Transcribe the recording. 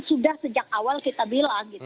sudah sejak awal kita bilang